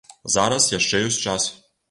Зараз яшчэ ёсць час.